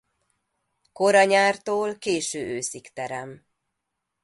Kora nyártól késő őszig terem.